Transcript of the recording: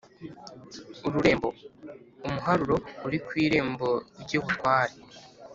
ururembo: umuharuro uri ku irembo ry’ibutware.